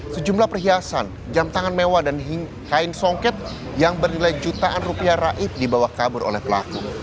sejumlah perhiasan jam tangan mewah dan kain songket yang bernilai jutaan rupiah raib dibawa kabur oleh pelaku